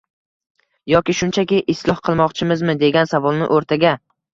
yoki shunchaki isloh qilmoqchimizmi degan savolni o‘rtaga